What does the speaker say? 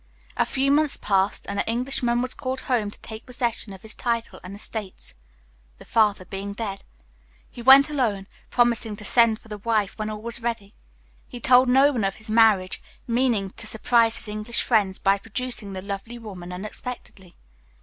A few months passed, and the Englishman was called home to take possession of his title and estates, the father being dead. He went alone, promising to send for the wife when all was ready. He told no one of his marriage, meaning to surprise his English friends by producing the lovely woman unexpectedly.